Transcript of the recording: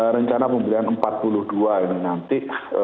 rencana pemberian empat puluh dua ini nanti